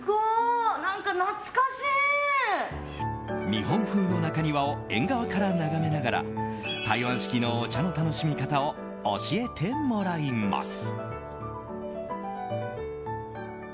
日本風の中庭を縁側から眺めながら台湾式のお茶の楽しみ方を教えてもらいます。